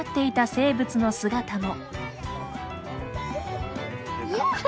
生物の姿も。